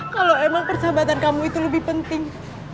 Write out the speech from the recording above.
kalau emang persahabatan kamu itu lebih penting